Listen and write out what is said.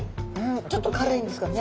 ちょっと辛いんですかね。